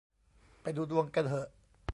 ไปดูดวงกันเหอะ